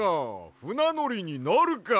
ふなのりになるか！